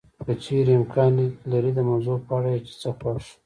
که چېرې امکان لري د موضوع په اړه یې چې څه خوښ